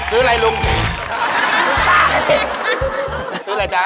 ซื้ออะไรจ้ะ